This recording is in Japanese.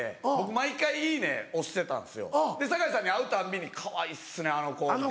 酒井さんに会うたんびに「かわいいっすねあの子」。